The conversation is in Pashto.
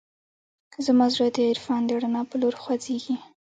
زما زړه د عرفان د رڼا په لور خوځېږي.